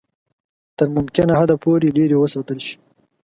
تر ممکنه حده پوري لیري وساتل شي.